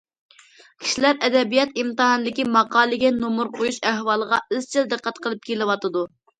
كىشىلەر ئەدەبىيات ئىمتىھانىدىكى ماقالىگە نومۇر قويۇش ئەھۋالىغا ئىزچىل دىققەت قىلىپ كېلىۋاتىدۇ.